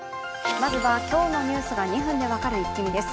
まずは今日のニュースが２分で分かるイッキ見です。